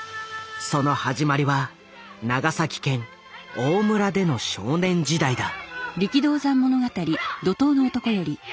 その始まりは長崎県大村での少年時代だ。